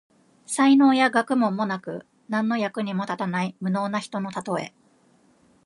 才能や学問もなく、何の役にも立たない無能な人のたとえ。